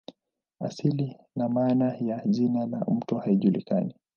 Asili na maana ya jina la mto haijulikani.